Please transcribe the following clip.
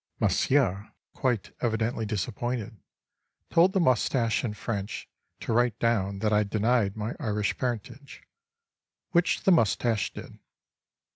Monsieur, quite evidently disappointed, told the moustache in French to write down that I denied my Irish parentage; which the moustache did.